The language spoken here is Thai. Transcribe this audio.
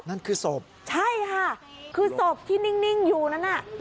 นั่นคือศพใช่ค่ะคือศพที่นิ่งอยู่นั้นน่ะ